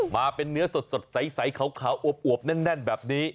มาเป็นเนื้อสดใสขาวอวบแน่นแบบนี้